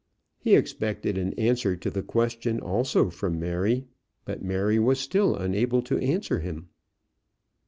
He expected an answer to the question also from Mary, but Mary was still unable to answer him.